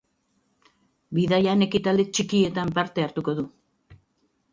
Bidaian ekitaldi txikietan parte hartuko du.